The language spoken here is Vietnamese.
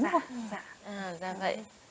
dạ dạ dạ vậy